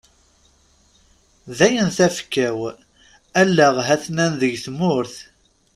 Dayen tafekka-w, allaɣ hatnan deg tmurt.